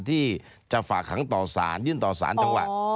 ที่จะฝากหังต่อสารยื่นต่อสารจังหวัด